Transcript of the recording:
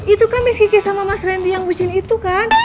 itu kan miss kiki sama mas randy yang bikin itu kan